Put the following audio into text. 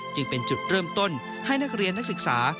จึงเป็นจุดเริ่มต้นให้นักเรียนนักศึกษา